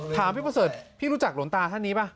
ถามพี่ประเสริฐพี่รู้จักหลวงตาท่านนี้ป่ะ